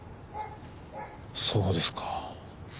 そうですか。